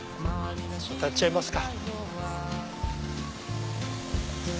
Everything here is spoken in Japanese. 渡っちゃいますか。